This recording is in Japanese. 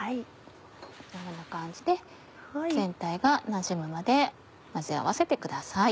このような感じで全体がなじむまで混ぜ合わせてください。